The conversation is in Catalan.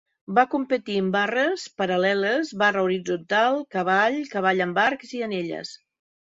Va competir en barres paral·leles, barra horitzontal, cavall, cavall amb arcs i anelles.